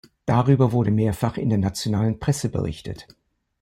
Darüber wurde mehrfach in der nationalen Presse berichtet.